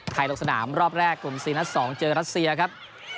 ภายลกศนามรอบแรกกลุ่มสินะของเจ้ออสเดียครับ